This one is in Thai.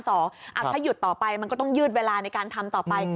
ถ้าหยุดต่อไปมันก็ต้องยืดเวลาในการทำต่อไป